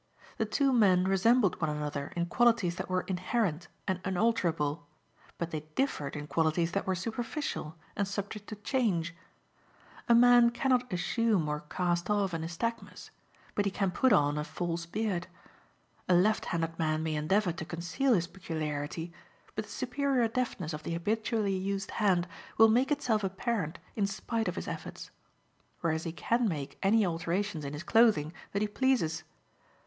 The two men resembled one another in qualities that were inherent and unalterable, but they differed in qualities that were superficial and subject to change. A man cannot assume or cast off a nystagmus, but he can put on a false beard. A left handed man may endeavour to conceal his peculiarity, but the superior deftness of the habitually used hand will make itself apparent in spite of his efforts; whereas he can make any alterations in his clothing that he pleases.